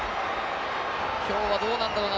きょうはどうなんだろうな？